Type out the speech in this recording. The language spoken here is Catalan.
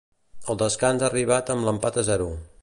Els descans ha arribat amb l'empat a zero.